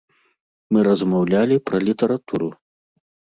Мы размаўлялі пра літаратуру.